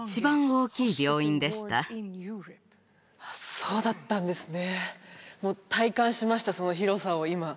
そうだったんですね